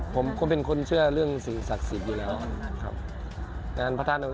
ผมก็เป็นคนเชื่อเรื่องสิ่งศักดิ์สิทธิ์อยู่แล้วครับ